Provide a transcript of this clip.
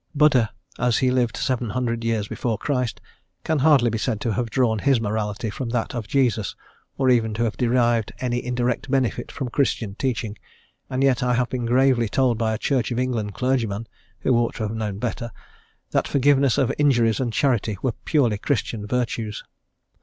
Buddha, as he lived 700 years before Christ, can hardly be said to have drawn his morality from that of Jesus or even to have derived any indirect benefit from Christian teaching, and yet I have been gravely told by a Church of England clergyman who ought to have known better that forgiveness of injuries and charity were purely Christian virtues.